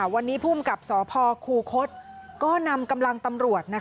วันนี้ภูมิกับสพคูคศก็นำกำลังตำรวจ